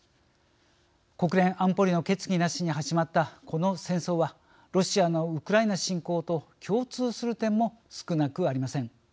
国連安保理の決議なしに始まったこの戦争はロシアのウクライナ侵攻と共通する点も少なくありません。